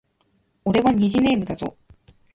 俺は虹ネームだぞ